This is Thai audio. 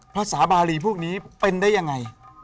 ภาษาบารีพวกนี้เป็นได้ยังไง